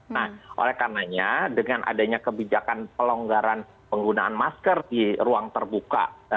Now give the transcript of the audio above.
nah oleh karenanya dengan adanya kebijakan pelonggaran penggunaan masker di ruang terbuka